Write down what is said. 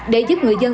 để giúp người dân